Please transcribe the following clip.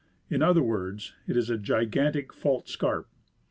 In other words, it is a gigantic fault scarp.